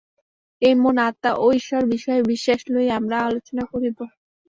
এখন মন, আত্মা ও ঈশ্বর-বিষয়ে বিশ্বাস লইয়া আমরা আলোচনা করিব।